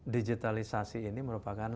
digitalisasi ini merupakan